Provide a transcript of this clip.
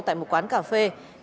tại một quán cà phê